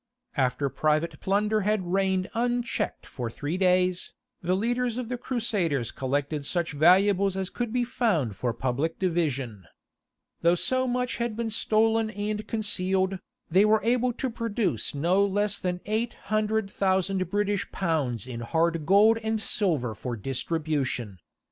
After private plunder had reigned unchecked for three days, the leaders of the Crusaders collected such valuables as could be found for public division. Though so much had been stolen and concealed, they were able to produce no less than £800,000 in hard gold and silver for distribution.